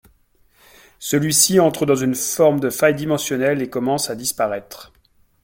Celui-ci entre dans une forme de faille dimensionnelle et commence à disparaître.